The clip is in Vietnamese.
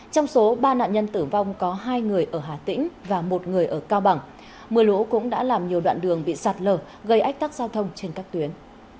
trong số ba nạn nhân tử vong có hai người ở hà tĩnh và một người ở cao bằng mưa lũ cũng đã làm nhiều đoạn đường bị sạt lở gây ách tắc giao thông trên các tuyến